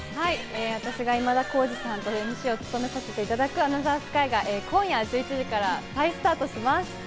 私が今田耕司さんとＭＣを務めさせていただく『アナザースカイ』が今夜１１時から再スタートします。